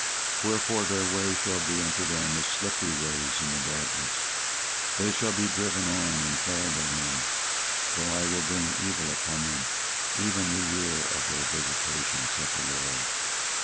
24:023:012 Wherefore their way shall be unto them as slippery ways in the darkness: they shall be driven on, and fall therein: for I will bring evil upon them, even the year of their visitation, saith the LORD.